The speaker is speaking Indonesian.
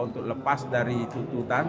untuk lepas dari tututan